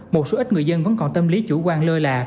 một số ít người dân vẫn còn tâm lý chủ quan lơi lạ